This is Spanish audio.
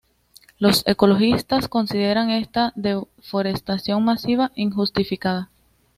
Los ecologistas consideran esta deforestación masiva injustificada.